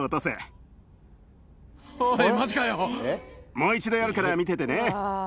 もう一度やるから見ててね。